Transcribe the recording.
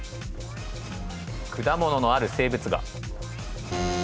果物のある静物画。